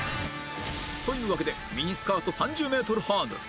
というわけでミニスカート３０メートル